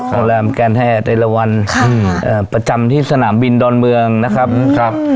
โรงแรมแกนแอร์แต่ละวันประจำที่สนามบินดอนเมืองนะครับครับ